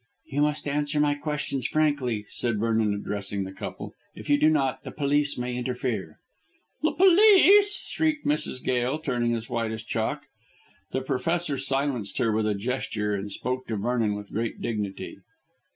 "You must answer my questions frankly," said Vernon addressing the couple; "if you do not, the police may interfere." "The police?" shrieked Mrs. Gail, turning as white as chalk. The Professor silenced her with a gesture and spoke to Vernon with great dignity.